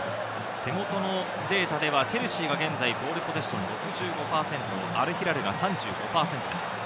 手元のデータではチェルシーは現在ボールポゼッション６５％、アルヒラルが３５パーセントです。